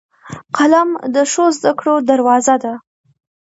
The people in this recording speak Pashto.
قلم د ښو زدهکړو دروازه ده